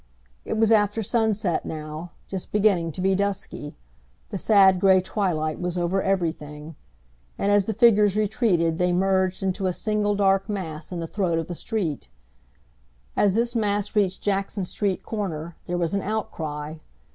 It was after sunset now, just beginning to be dusky. The sad gray twilight was over everything, and as the figures retreated they merged into a single dark mass in the throat of the street. As this mass reached Jackson Street corner, there was an outcry.